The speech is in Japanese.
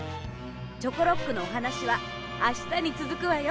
チョコロックのおはなしはあしたにつづくわよ。